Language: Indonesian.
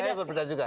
saya berbeda juga